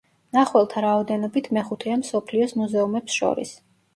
მნახველთა რაოდენობით მეხუთეა მსოფლიოს მუზეუმებს შორის.